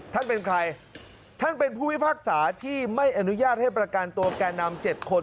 ท่านเป็นใครท่านเป็นผู้พิพากษาที่ไม่อนุญาตให้ประกันตัวแก่นำ๗คน